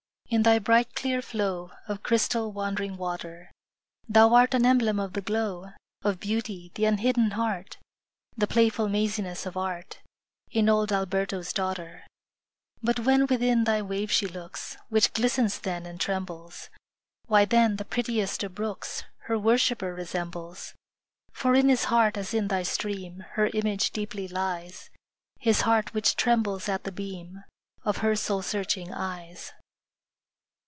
in thy bright, clear flow Of crystal, wandering water, Thou art an emblem of the glow Of beauty the unhidden heart, The playful maziness of art 5 In old Alberto's daughter; But when within thy wave she looks, Which glistens then, and trembles, Why, then, the prettiest of brooks Her worshipper resembles; 10 For in his heart, as in thy stream, Her image deeply lies His heart which trembles at the beam Of her soul searching eyes.